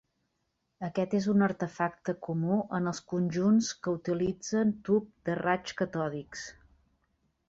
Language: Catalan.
Aquest és un artefacte comú en els conjunts que utilitzen tub de raigs catòdics.